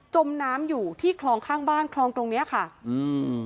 มน้ำอยู่ที่คลองข้างบ้านคลองตรงเนี้ยค่ะอืม